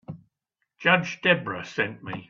Judge Debra sent me.